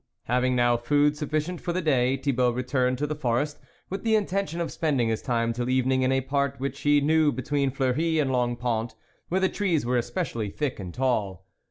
Having now food sufficient for the day, Thibault returned to the forest, with the intention of spending his time till evening in a part which he knew between Fleury and Longpont, where the trees were especially thick and tall.